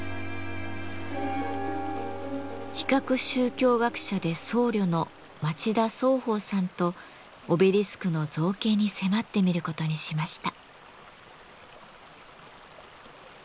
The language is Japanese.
比較宗教学者で僧侶の町田宗鳳さんとオベリスクの造形に迫ってみることにしました。